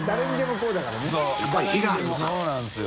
砲任癲そうなんですよ。